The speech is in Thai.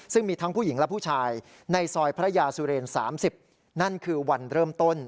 ซึ่งมีทั้งผู้หญิงและผู้ชายในซอยพระยาสุเรน๓๐นั่นคือวันเริ่มต้น